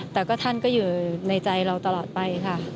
แต่ก็ท่านก็อยู่ในใจเราตลอดไปค่ะ